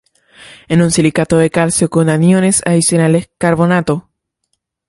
Es un silicato de calcio con aniones adicionales carbonato.